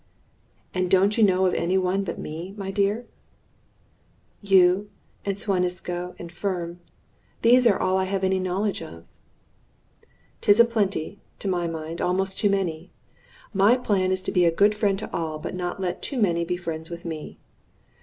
"And don't you know of any one but me, my dear?" "You and Suan Isco and Firm those are all I have any knowledge of." "'Tis a plenty to my mind, almost too many. My plan is to be a good friend to all, but not let too many be friends with me.